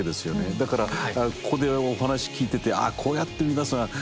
だからここでお話聞いててああこうやって皆さん